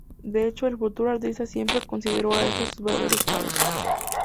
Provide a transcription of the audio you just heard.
De hecho, el futuro artista siempre consideró a estos sus verdaderos padres.